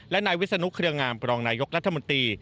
และนวิศานุเครืองามปนรัฐมนตรี